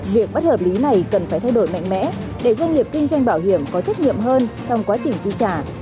việc bất hợp lý này cần phải thay đổi mạnh mẽ để doanh nghiệp kinh doanh bảo hiểm có trách nhiệm hơn trong quá trình chi trả